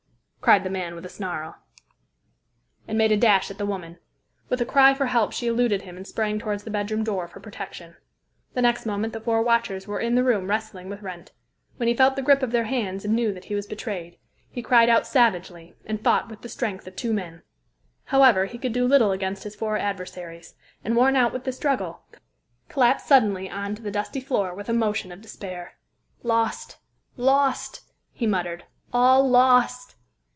cried the man with a snarl, and made a dash at the woman. With a cry for help she eluded him and sprang towards the bedroom door for protection. The next moment the four watchers were in the room wrestling with Wrent. When he felt the grip of their hands, and knew that he was betrayed, he cried out savagely, and fought with the strength of two men. However, he could do little against his four adversaries, and, worn out with the struggle, collapsed suddenly on to the dusty floor with a motion of despair. "Lost! lost!" he muttered. "All lost!"